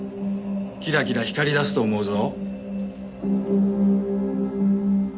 キラキラ光り出すと思うぞ。